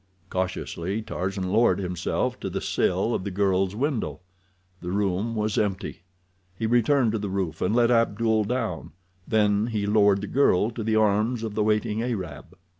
Cautiously Tarzan lowered himself to the sill of the girl's window. The room was empty. He returned to the roof and let Abdul down, then he lowered the girl to the arms of the waiting Arab.